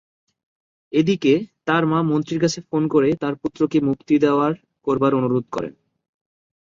এদিকে, তার মা মন্ত্রীর কাছে ফোন করে তাঁর পুত্রকে মুক্তি দেওয়ার করবার অনুরোধ করেন।